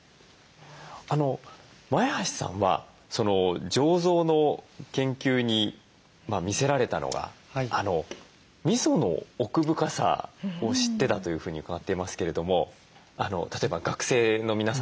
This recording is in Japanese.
前橋さんは醸造の研究に魅せられたのがみその奥深さを知ってだというふうに伺っていますけれども例えば学生の皆さんとですね